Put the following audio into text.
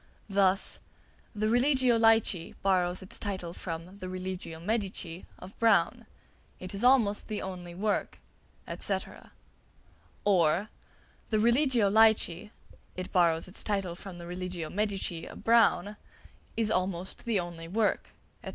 Thus: "The 'Religio Laici' borrows its title from the 'Religio Medici' of Browne. It is almost the only work," &c. or, "The 'Religio Laici' (it borrows its title from the 'Religio Medici' of Browne) is almost the only work," &c.